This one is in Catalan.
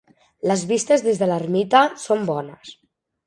Les vistes des de l'ermita són bones.